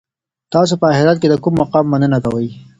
تاسي په اخیرت کي د کوم مقام مننه کوئ؟